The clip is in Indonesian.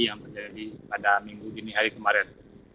yang terjadi pada minggu dini hari kemarin